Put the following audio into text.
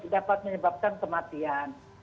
dapat menyebabkan kematian